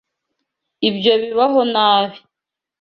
Ibyo bibaho nabi.